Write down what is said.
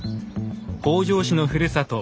北条氏のふるさと